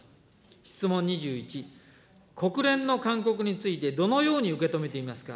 質問２１、国連の勧告についてどのように受け止めていますか。